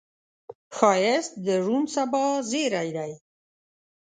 ښایست د روڼ سبا زیری دی